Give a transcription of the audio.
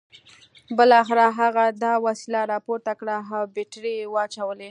بالاخره هغه دا وسیله راپورته کړه او بیټرۍ یې واچولې